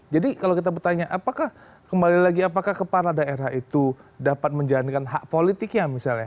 jadi kalau kita bertanya apakah kembali lagi apakah kepala daerah itu dapat menjalankan hak politiknya misalnya